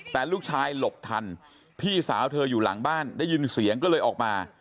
แต่ลูกชายหลบทันพี่สาวเธออยู่หลังบ้านได้ยินเสียงก็เลยออกมา